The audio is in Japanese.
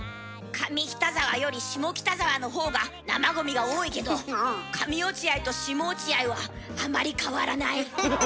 上北沢より下北沢のほうが生ゴミが多いけど上落合と下落合はあまり変わらない。